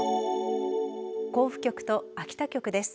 甲府局と秋田局です。